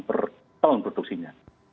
per tahun produksinya